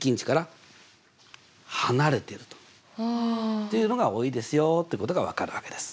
っていうのが多いですよってことが分かるわけです。